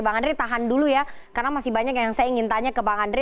bang andri tahan dulu ya karena masih banyak yang saya ingin tanya ke bang andre